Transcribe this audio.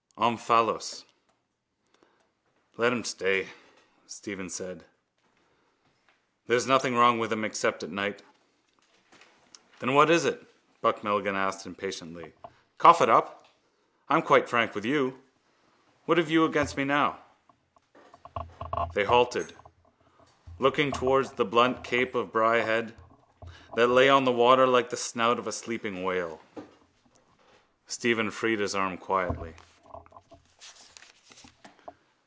omphalos. —Let him stay, Stephen said. There's nothing wrong with him except at night. —Then what is it? Buck Mulligan asked impatiently. Cough it up. I'm quite frank with you. What have you against me now? They halted, looking towards the blunt cape of Bray Head that lay on the water like the snout of a sleeping whale. Stephen freed his arm quietly.